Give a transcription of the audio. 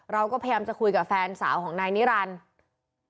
เราก็พยายามจะคุยกับแฟนสาวของนายนิรันดิ์